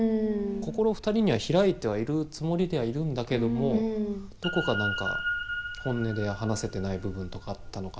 心２人には開いてはいるつもりではいるんだけどもどこか何か本音で話せてない部分とかあったのかなって思ったり。